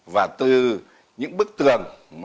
và từ những bức tường mà tự chống bẩn